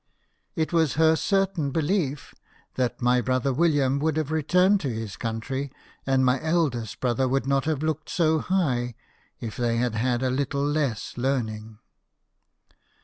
It was her certain belief that my brother William would have returned to his country, and my eldest brother would not have looked so high, if they had had a little less learning."